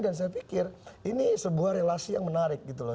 dan saya pikir ini sebuah relasi yang menarik gitu loh